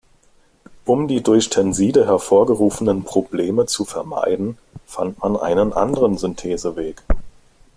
Um die durch Tenside hervorgerufenen Probleme zu vermeiden, fand man einen anderen Syntheseweg.